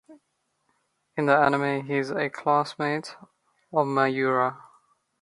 In the anime he's a classmate of Mayura.